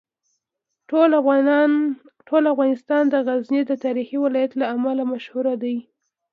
ټول افغانستان د غزني د تاریخي ولایت له امله مشهور دی.